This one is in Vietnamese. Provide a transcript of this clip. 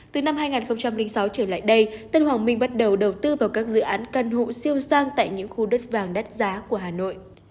từ năm hai nghìn sáu trở lại đây tân hoàng minh bắt đầu đầu tư vào các dự án căn hộ siêu sang tại những khu đất vàng đắt giá của hà nội